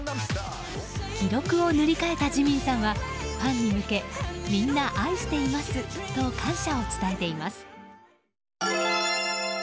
記録を塗り替えたＪＩＭＩＮさんはファンに向けみんな愛していますと感謝を伝えています。